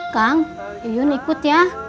kang iyun ikut ya